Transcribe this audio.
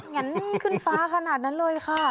แนนขึ้นฟ้าขนาดนั้นเลยค่ะ